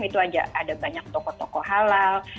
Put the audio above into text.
itu ada banyak toko toko halal